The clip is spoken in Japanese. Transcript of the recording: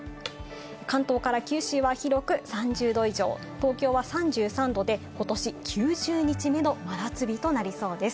関東から九州は広く３０度以上、東京は３３度で、ことし９０日目の真夏日となりそうです。